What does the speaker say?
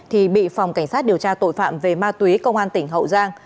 thì bị phòng cảnh sát điều tra tội phạm về ma túy công an tỉnh hậu giang